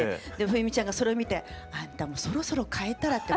冬美ちゃんがそれを見て「あんたもうそろそろ替えたら」って。